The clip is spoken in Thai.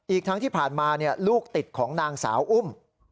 อีกทั้งที่ผ่านมาลูกติดของนางสาวอุ้ม